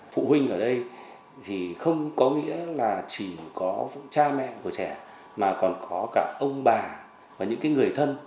phụ huynh ở đây thì không có nghĩa là chỉ có cha mẹ của trẻ mà còn có cả ông bà và những người thân